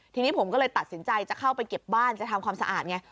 ทีนี้ผมก็เลยตัดสินใจจะเข้าไปเก็บบ้านจะทำความสะอาดไง